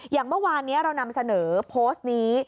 อย่างเมื่อวานนี้เรานำเสนอโพสต์นี้